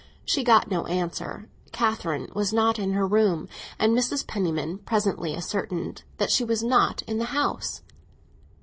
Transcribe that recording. She got no answer; Catherine was not in her room, and Mrs. Penniman presently ascertained that she was not in the house.